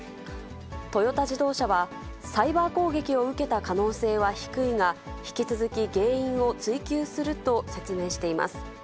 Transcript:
トヨタ自動車は、サイバー攻撃を受けた可能性は低いが、引き続き原因を追及すると説明しています。